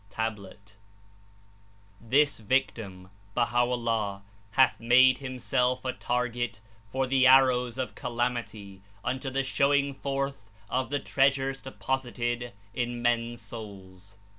(Tablet) "This victim (Baha'o'llah) hath made himself a traget for the arrows of calamity unto the showing forth of the treasures deposited In (men's) souls."